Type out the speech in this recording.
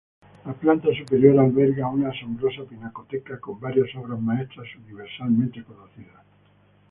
La planta superior alberga una asombrosa pinacoteca, con varias obras maestras universalmente conocidas.